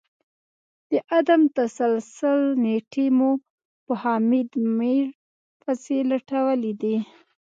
د عدم تسلسل نیټې مو په حامد میر پسي لټولې دي